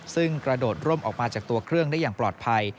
ซึ่งกระโดดร่มออกมาจากตัวเครื่องได้อย่างปลอดภัย